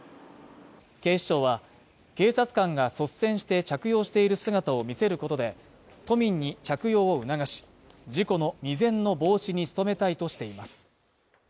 警視庁は警察官が率先して着用している姿を見せることで、都民に着用を促し、事故の未然の防止に努めたいとしています。